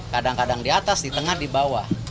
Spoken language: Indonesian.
kadang kadang di atas di tengah di bawah